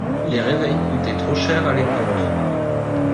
Les réveils coûtaient trop cher à l'époque.